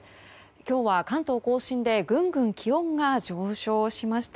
今日は関東・甲信でぐんぐん気温が上昇しました。